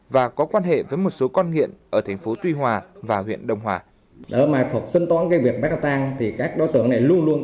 và có quan hệ với một số con nghiện ở tp tuy hòa và huyện đông hòa